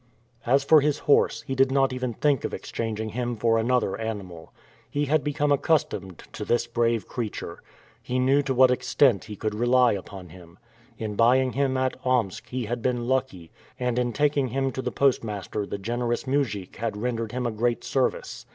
As for his horse, he did not even think of exchanging him for another animal. He had become accustomed to this brave creature. He knew to what extent he could rely upon him. In buying him at Omsk he had been lucky, and in taking him to the postmaster the generous mujik had rendered him a great service.